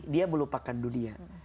dia melupakan dunia